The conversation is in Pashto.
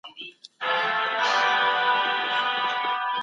سم نیت انرژي نه خرابوي.